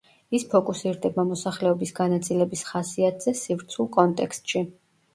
ის ფოკუსირდება მოსახლეობის განაწილების ხასიათზე სივრცულ კონტექსტში.